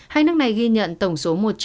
hai nước này ghi nhận tổng số